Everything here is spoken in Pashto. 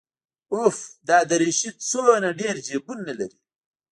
اوف دا دريشي څومره ډېر جيبونه لري.